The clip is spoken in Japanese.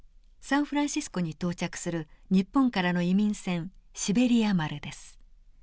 サンフランシスコに到着する日本からの移民船シベリア丸です。